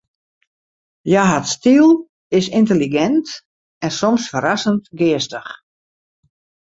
Hja hat styl, is yntelligint en soms ferrassend geastich.